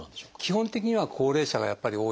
基本的には高齢者がやっぱり多いです。